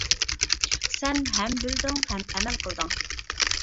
سەن ھەم بىلدىڭ ھەم ئەمەل قىلدىڭ.